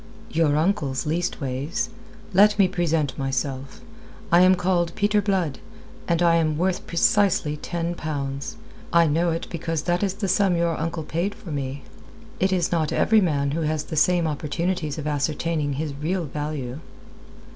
"Your uncle's, leastways. Let me present myself. I am called Peter Blood, and I am worth precisely ten pounds. I know it because that is the sum your uncle paid for me. It is not every man has the same opportunities of ascertaining his real value."